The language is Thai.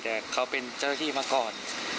แต่เขาเป็นเจ้าหน้าที่มาก่อน